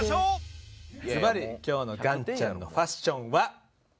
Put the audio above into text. ずばり今日の岩ちゃんのファッションは。